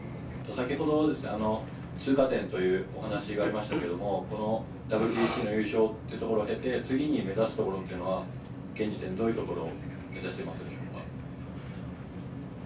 先ほど、通過点というお話がありましたけれども、このＷＢＣっていうところを受けて、次に目指すところというのは現時点でどういうところを目指してますでしょうか。